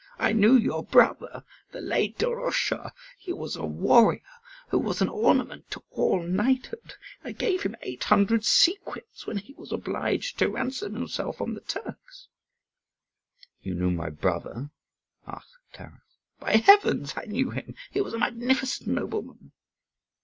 I knew your brother, the late Doroscha. He was a warrior who was an ornament to all knighthood. I gave him eight hundred sequins when he was obliged to ransom himself from the Turks." "You knew my brother?" asked Taras. "By heavens, I knew him. He was a magnificent nobleman."